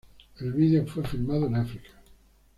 El video fue filmado en África.